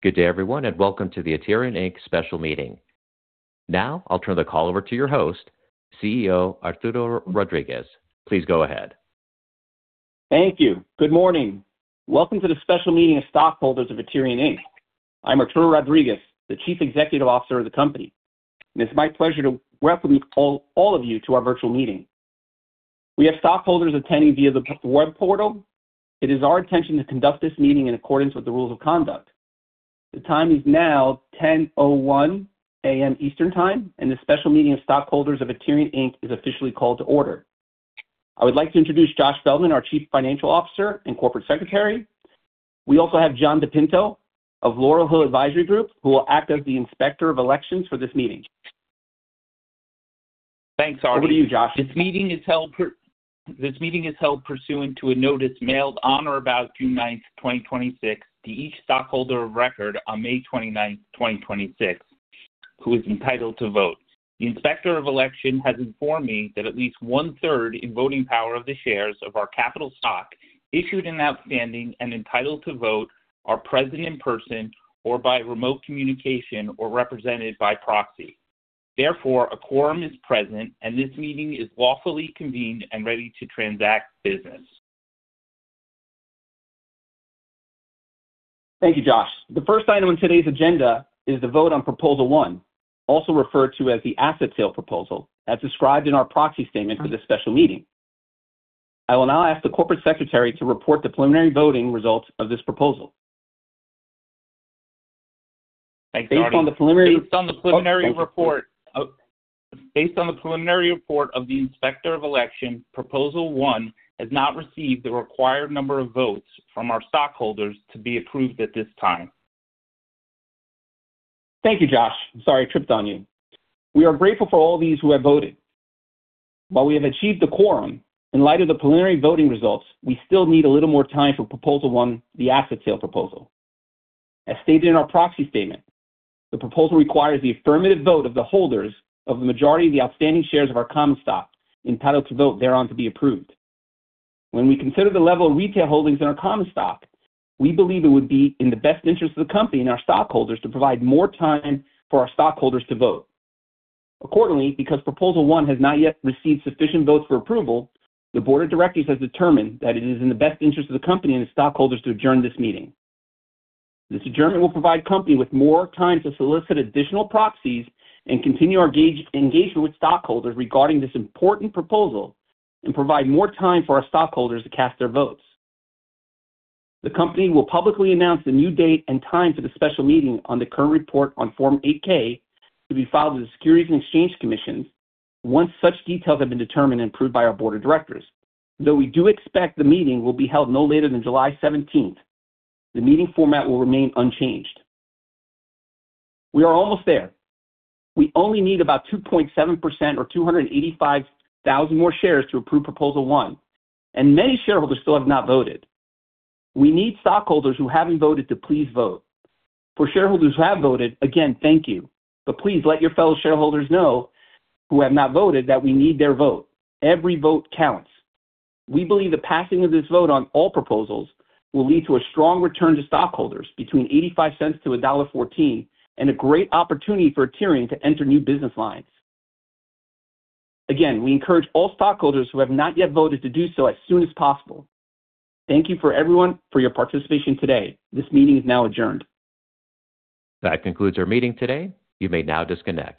Good day everyone, welcome to the Aterian, Inc. special meeting. Now I'll turn the call over to your host, CEO Arturo Rodriguez. Please go ahead. Thank you. Good morning. Welcome to the special meeting of stockholders of Aterian, Inc. I'm Arturo Rodriguez, the Chief Executive Officer of the company, it's my pleasure to welcome all of you to our virtual meeting. We have stockholders attending via the web portal. It is our intention to conduct this meeting in accordance with the rules of conduct. The time is now 10:01 A.M. Eastern Time, this special meeting of stockholders of Aterian, Inc. is officially called to order. I would like to introduce Josh Feldman, our Chief Financial Officer and Corporate Secretary. We also have John DePinto of Laurel Hill Advisory Group, who will act as the inspector of elections for this meeting. Thanks, Arturo. Over to you, Josh. This meeting is held pursuant to a notice mailed on or about June 9, 2026, to each stockholder of record on May 29, 2026, who is entitled to vote. The inspector of election has informed me that at least one-third in voting power of the shares of our capital stock issued and outstanding and entitled to vote are present in person or by remote communication or represented by proxy. Therefore, a quorum is present, and this meeting is lawfully convened and ready to transact business. Thank you, Josh. The first item on today's agenda is the vote on proposal 1, also referred to as the asset sale proposal, as described in our proxy statement for this special meeting. I will now ask the corporate secretary to report the preliminary voting results of this proposal. Thanks, Arturo. Based on the preliminary report of the inspector of election, proposal 1 has not received the required number of votes from our stockholders to be approved at this time. Thank you, Josh. Sorry, I tripped on you. We are grateful for all these who have voted. While we have achieved the quorum, in light of the preliminary voting results, we still need a little more time for proposal 1, the asset sale proposal. As stated in our proxy statement, the proposal requires the affirmative vote of the holders of the majority of the outstanding shares of our common stock entitled to vote thereon to be approved. When we consider the level of retail holdings in our common stock, we believe it would be in the best interest of the company and our stockholders to provide more time for our stockholders to vote. Accordingly, because proposal 1 has not yet received sufficient votes for approval, the board of directors has determined that it is in the best interest of the company and the stockholders to adjourn this meeting. This adjournment will provide company with more time to solicit additional proxies and continue our engagement with stockholders regarding this important proposal and provide more time for our stockholders to cast their votes. The company will publicly announce the new date and time for the special meeting on the current report on Form 8-K to be filed with the Securities and Exchange Commission once such details have been determined and approved by our board of directors. Though we do expect the meeting will be held no later than July 17th, the meeting format will remain unchanged. We are almost there. We only need about 2.7% or 285,000 more shares to approve Proposal 1, and many shareholders still have not voted. We need stockholders who haven't voted to please vote. For shareholders who have voted, again, thank you. Please let your fellow shareholders know who have not voted that we need their vote. Every vote counts. We believe the passing of this vote on all proposals will lead to a strong return to stockholders between $0.85 to $1.14 and a great opportunity for Aterian to enter new business lines. Again, we encourage all stockholders who have not yet voted to do so as soon as possible. Thank you for everyone for your participation today. This meeting is now adjourned. That concludes our meeting today. You may now disconnect.